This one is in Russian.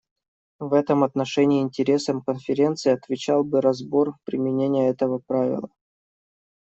В этом отношении интересам Конференции отвечал бы разбор применения этого правила.